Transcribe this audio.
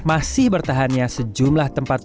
masih bertahannya sejumlah tempat